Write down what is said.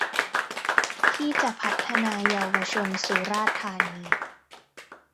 ที่จะพัฒนาเยาวชนสุราษฏร์ธานี